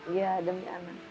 iya demi anak